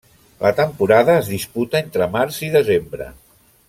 La temporada es disputa entre març i desembre.